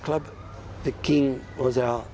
กระเทศกันอยู่ที่นี่